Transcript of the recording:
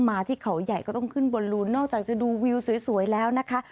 ที่เขาใหญ่ก็ต้องขึ้นบนลูนนอกจากจะดูวิวสวยแล้วนะคะ